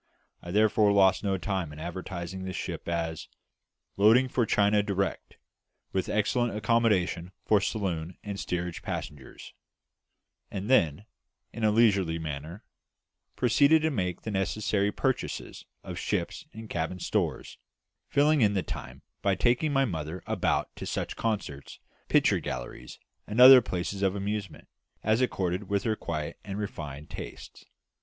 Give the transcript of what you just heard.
I therefore lost no time in advertising the ship as "loading for China direct, with excellent accommodation for saloon and steerage passengers;" and then, in a leisurely manner, proceeded to make the necessary purchases of ship's and cabin stores, filling in the time by taking my mother about to such concerts, picture galleries, and other places of amusement, as accorded with her quiet and refined tastes.